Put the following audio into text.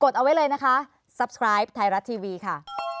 สวัสดีค่ะ